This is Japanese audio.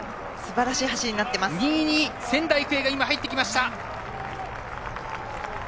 ２位に仙台育英が入ってきた。